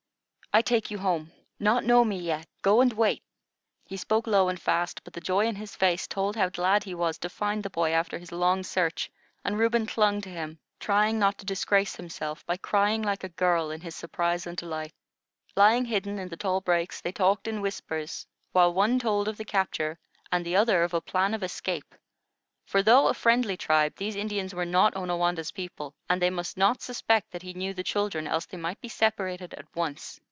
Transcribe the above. "I take you home. Not know me yet. Go and wait." He spoke low and fast; but the joy in his face told how glad he was to find the boy after his long search, and Reuben clung to him, trying not to disgrace himself by crying like a girl, in his surprise and delight. Lying hidden in the tall brakes they talked in whispers, while one told of the capture, and the other of a plan of escape; for, though a friendly tribe, these Indians were not Onawandah's people, and they must not suspect that he knew the children, else they might be separated at once.